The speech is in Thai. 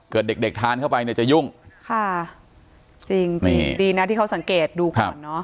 เด็กเด็กทานเข้าไปเนี่ยจะยุ่งค่ะจริงดีนะที่เขาสังเกตดูก่อนเนอะ